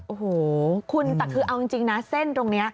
โอ้โหคุณเอาจริงนะเส้นตรงนี้